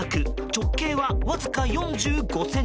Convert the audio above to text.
直径は、わずか４５ｃｍ。